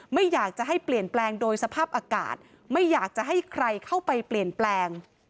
ไม่อยากจะให้เปลี่ยนแปลงโดยสภาพอากาศไม่อยากจะให้ใครเข้าไปเปลี่ยนแปลง